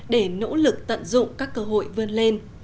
để nỗ lực tận dụng các cơ hội vươn lên